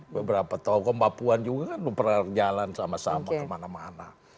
beberapa toko papuan juga kan pernah jalan sama sama kemana mana